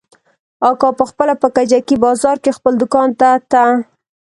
اکا پخپله په کجکي بازار کښې خپل دوکان ته ته.